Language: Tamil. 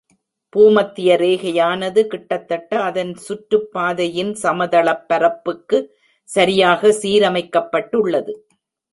பூமத்திய ரேகையானது கிட்டத்தட்ட அதன் சுற்றுப்பாதையின் சமதளப் பரப்புக்கு சரியாக சீரமைக்கப்பட்டுள்ளது.